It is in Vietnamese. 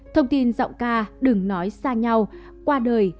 thông tin giọng ca đừng nói xa nhau qua đời